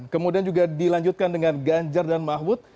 kemudian juga dilanjutkan dengan ganjar dan mahfud